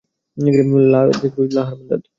লা Cruz de la হার্মানদাদ।